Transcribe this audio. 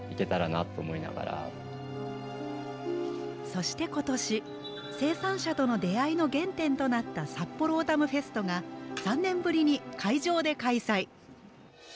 そして今年生産者との出会いの原点となったさっぽろオータムフェストが３年ぶりに会場で開催。